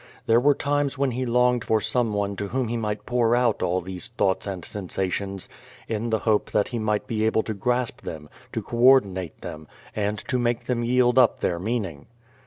There were times when he longed for some one to whom he might pour out all these thoughts and sensations, in the hope that he might be able to grasp them, to co ordinate them, and to make them yield up their meaning.